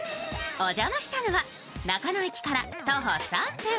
お邪魔したのは中野駅から徒歩３分。